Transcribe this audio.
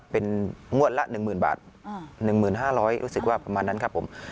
เป็นงวดละหนึ่งหมื่นบาทอ่าหนึ่งหมื่นห้าร้อยรู้สึกว่าประมาณนั้นครับผม